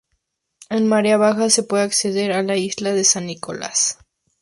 En marea baja se puede acceder a la isla de San Nicolás.